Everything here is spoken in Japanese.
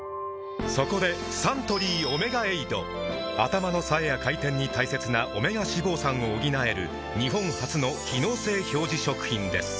そこでサントリー「オメガエイド」頭の冴えや回転に大切なオメガ脂肪酸を補える日本初の機能性表示食品です